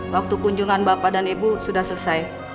waktu kunjungan bapak dan ibu sudah selesai